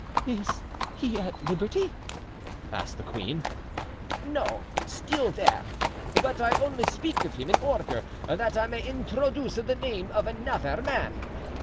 "Is he at liberty?" asked the queen. "No; still there, but I only speak of him in order that I may introduce the name of another man.